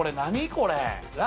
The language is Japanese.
これ？